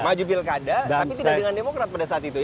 maju pilkada tapi tidak dengan demokrat pada saat itu ya